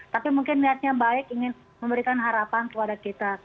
tapi mungkin niatnya baik ingin memberikan harapan kepada kita